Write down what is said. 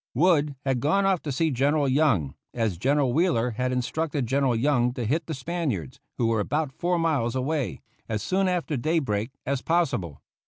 Wood had gone off to see General Young, as General Wheeler had instructed General Young to hit the Spaniards, who were about four miles away, as soon after daybreak as possible.